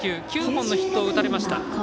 ９本のヒットを打たれました。